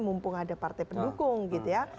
mumpung ada partai pendukung gitu ya